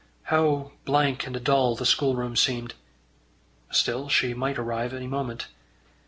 How blank and dull the schoolroom seemed! Still she might arrive any moment.